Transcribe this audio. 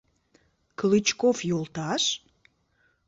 Клычков йолташ?